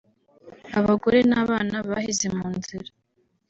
abagore n’abana baheze mu nzira